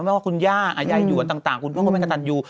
ไม่ว่าคุณย่าอายายอยู่ต่างคุณพวกแม่กระตันยู